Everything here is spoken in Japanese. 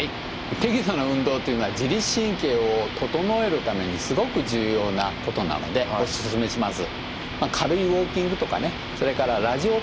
適度な運動というのは自律神経を整えるためにすごく重要なことなのでお勧めします。